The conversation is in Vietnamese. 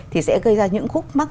thì sẽ gây ra những khúc mắc